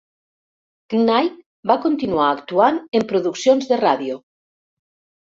Knight va continuar actuant en produccions de ràdio.